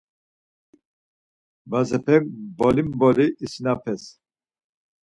Bazepek mboli mboli isinapes.